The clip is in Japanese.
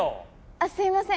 あっすいません。